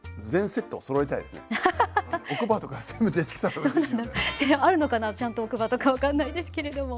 全部やりたいしこれもうあるのかなちゃんと奥歯とか分かんないですけれども。